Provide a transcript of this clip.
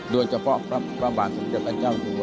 โดยเฉพาะพระบาทสมศัตริยะพันธุ์เจ้าตัว